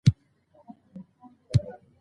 غلامي د انسان لپاره تر ټولو بده ده.